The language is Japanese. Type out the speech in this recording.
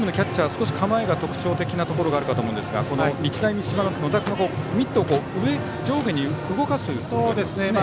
少し、構えが特徴的なところがあるかと思うんですが日大三島の野田君はミットを上下に動かすような。